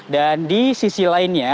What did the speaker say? dan di sisi lainnya